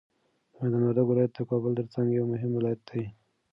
د میدان وردګو ولایت د کابل تر څنګ یو مهم ولایت دی.